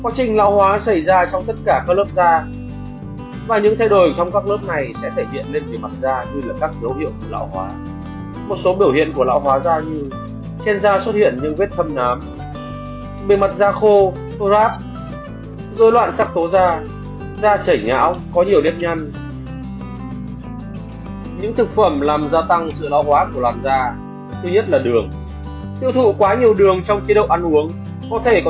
xin chào và hẹn gặp lại các bạn trong những video tiếp theo